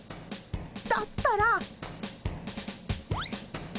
だったら。